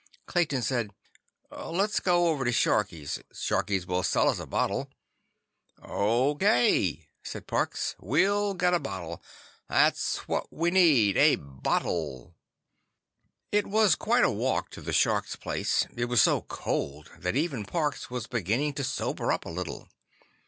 Clayton said: "Let's go over to Sharkie's. Sharkie will sell us a bottle." "Okay," said Parks. "We'll get a bottle. That's what we need: a bottle." It was quite a walk to the Shark's place. It was so cold that even Parks was beginning to sober up a little.